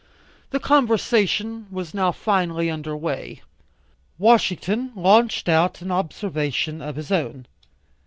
The conversation was now finely under way. Washington launched out an observation of his own.